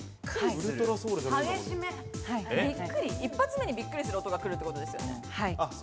１発目にびっくりする音が来るってことですよね。